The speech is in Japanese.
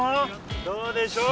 どうでしょう？